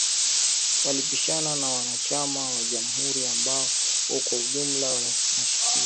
Walipishana na wanachama wa Jamuhuri ambao kwa ujumla walimshinikiza Jackson, juu ya mada kuanzia ndoa za watu wa jinsia moja